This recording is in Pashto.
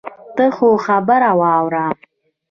ته خو خبره واوره.